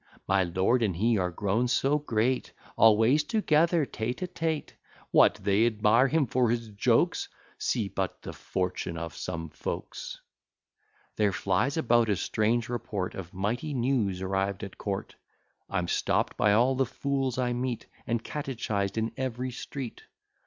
My lord and he are grown so great, Always together, tête à tête; What! they admire him for his jokes? See but the fortune of some folks!" There flies about a strange report Of mighty news arrived at court: I'm stopp'd by all the fools I meet, And catechised in every street.